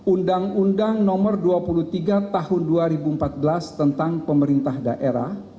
undang undang nomor dua puluh tiga tahun dua ribu empat belas tentang pemerintah daerah